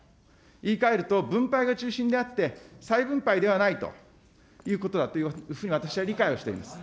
言いかえると、分配が中心であって、再分配ではないということだというふうに私は理解をしております。